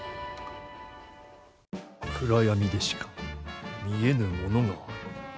暗闇でしか見えぬものがある。